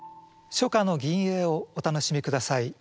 初夏の吟詠をお楽しみください。